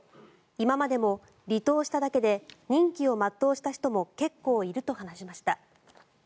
今までも離党しただけで任期を全うした人も結構いると話しました。